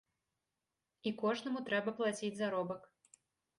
І кожнаму трэба плаціць заробак.